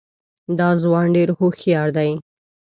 دا ځوان ډېر هوښیار دی.